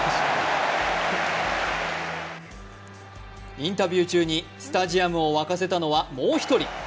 インタビュー中にスタジアムをわかせたのはもう１人。